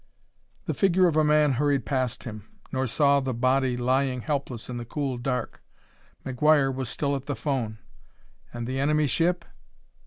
The figure of a man hurried past him, nor saw the body lying helpless in the cool dark. McGuire was still at the phone. And the enemy ship